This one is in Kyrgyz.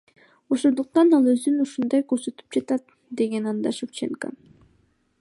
Ошондуктан ал өзүн ушундай көрсөтүп жатат, — деген анда Шевченко.